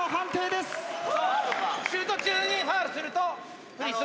シュート中にファウルするとフリースローになる。